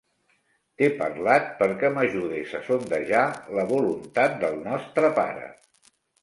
T'he parlat perquè m'ajudes a sondejar la voluntat del nostre pare.